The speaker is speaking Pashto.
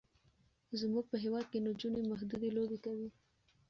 زمونږ په هیواد کې نجونې محدودې لوبې کوي.